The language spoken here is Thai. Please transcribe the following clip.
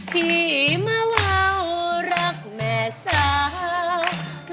พี่มาวาวรักแม่สาว